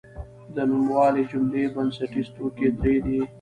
د نوموالي جملې بنسټیز توکي درې دي.